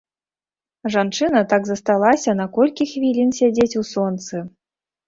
Жанчына так засталася на колькі хвілін сядзець у сонцы.